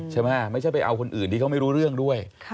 ไม่ใช่ไปเอาคนอื่นที่เขาไม่รู้เรื่องด้วย